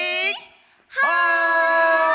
はい！